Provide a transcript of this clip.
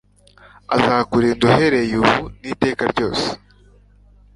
azakurinda uhereye ubu n'iteka ryose